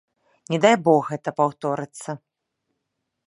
Не дай бог гэта паўторыцца.